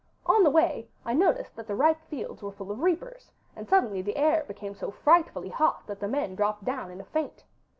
On the way I noticed that the ripe fields were full of reapers, and suddenly the air became so frightfully hot that the men dropped down in a faint.